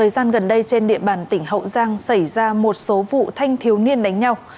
gần đây trên địa bàn tỉnh hậu giang xảy ra một số vụ thanh thiếu niên đánh nhau